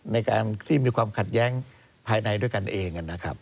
ในการที่มีความขัดแย้งภายในด้วยกันเองนะครับ